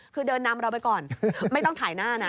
คือเดินนำเราไปก่อนไม่ต้องถ่ายหน้านะ